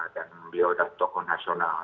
dan biar sudah konfesional